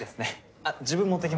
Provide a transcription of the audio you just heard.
あっ自分持ってきます。